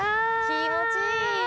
気持ちいい！